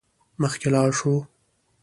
مخکې لاړ شو.